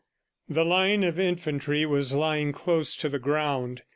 The line of infantry was lying close to the ground.